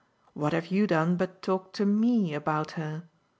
What have you done but talk to ME about her?